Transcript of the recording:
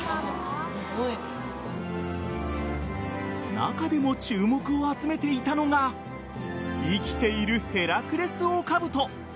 中でも注目を集めていたのが生きているヘラクレスオオカブト。